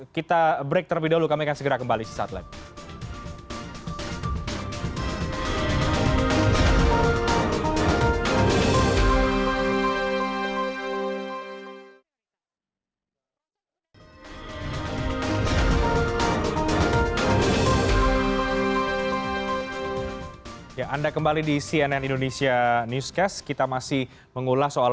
kita break terlebih dahulu